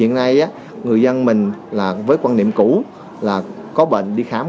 hiện nay người dân mình là với quan niệm cũ là có bệnh đi khám